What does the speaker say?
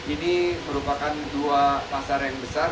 ini merupakan dua pasar yang besar